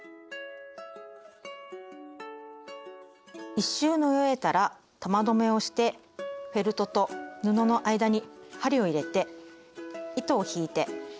１周縫い終えたら玉留めをしてフェルトと布の間に針を入れて糸を引いて玉留めを中に隠しておきます。